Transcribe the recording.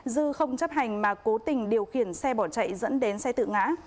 dư không chấp hành mà cố tình điều khiển xe bỏ chạy dẫn đến xe tự ngã